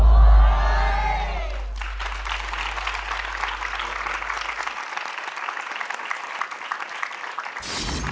๑๐นะครับ